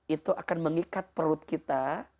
itu akan mengikat perut kita